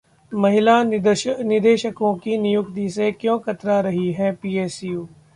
महिला निदेशकों की नियुक्ति से क्यों कतरा रहीं हैं पीएसयू